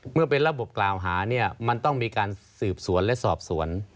เมื่อเป็นระบบกล่าวหาเนี่ยมันต้องมีการสืบสวนและสอบสวน